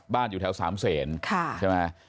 บ้านอยู่แถวสามเศษ